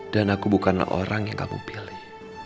dan aku bukanlah orang yang kamu pilih